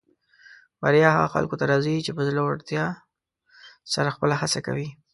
بریا هغه خلکو ته راځي چې په زړۀ ورتیا سره خپله هڅه کوي.